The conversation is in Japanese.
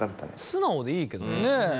素直でいいけどね。